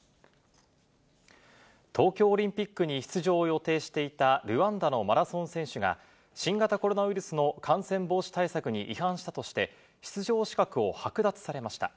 東京オリンピックに出場を予定していたルワンダのマラソン選手が、新型コロナウイルスの感染防止対策に違反したとして、出場資格を剥奪されました。